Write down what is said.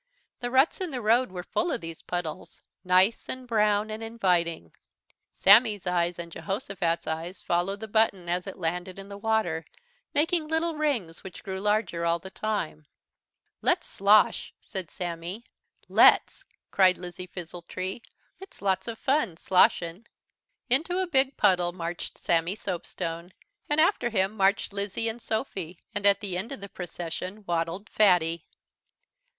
The ruts in the road were full of these puddles, nice and brown and inviting. Sammy's eyes and Jehosophat's eyes followed the button as it landed in the water, making little rings which grew larger all the time. "Let's slosh," said Sammy. "Let's!" cried Lizzie Fizzletree, "it's lots of fun, sloshin'." Into a big puddle marched Sammy Soapstone, and after him marched Lizzie and Sophy, and at the end of the procession waddled Fatty.